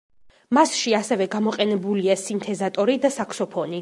მასში ასევე გამოყენებულია სინთეზატორი და საქსოფონი.